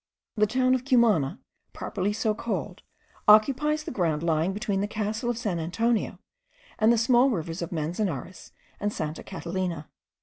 The town of Cumana, properly so called, occupies the ground lying between the castle of San Antonio and the small rivers of Manzanares and Santa Catalina.